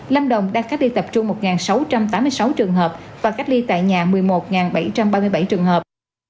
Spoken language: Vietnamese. lâm đồng đang cách ly tập trung một sáu trăm tám mươi sáu trường hợp và cách ly tại nhà một mươi một bảy trăm ba mươi bảy trường hợp